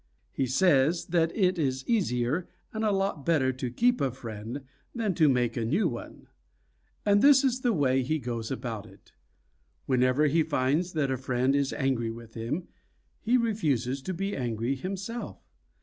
He says that it is easier and a lot better to keep a friend than to make a new one. And this is the way he goes about it: Whenever he finds that a friend is angry with him, he refuses to be angry himself.